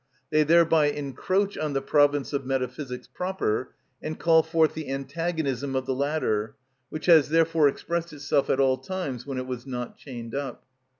They thereby encroach on the province of metaphysics proper, and call forth the antagonism of the latter, which has therefore expressed itself at all times when it was not chained up.